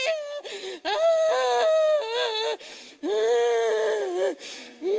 อ่าอ่าอื้อ